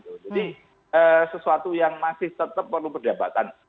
jadi sesuatu yang masih tetap perlu perdebatan